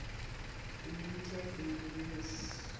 Wiya kik owil gi wes